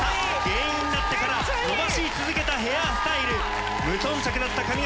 芸人になってから伸ばし続けたヘアスタイル無頓着だった髪形。